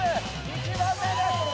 １番目です！